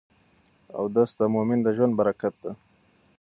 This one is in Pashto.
اودس د مؤمن د ژوند برکت دی.